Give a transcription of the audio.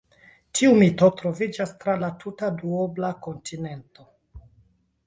Tiu mito troviĝas tra la tuta duobla kontinento.